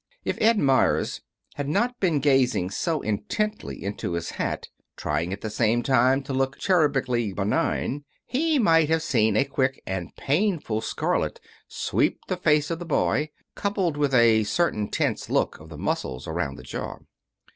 If Ed Meyers had not been gazing so intently into his hat, trying at the same time to look cherubically benign he might have seen a quick and painful scarlet sweep the face of the boy, coupled with a certain tense look of the muscles around the jaw.